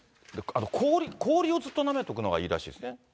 氷をずっとなめとくのがいいらしいですね。